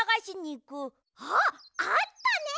ああったね！